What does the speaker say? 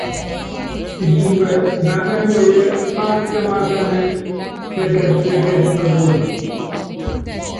Isumbɛ nákányí wɛyí másiáma akáánɛ, pɛkɛspɛkɛs nɔ tuɔnɔ.